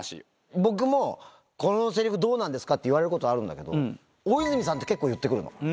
僕も、このせりふどうなんですか？って言われることあるんだけど、大泉さんって結構言ってくるの。